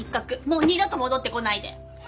もう二度と戻ってこないで。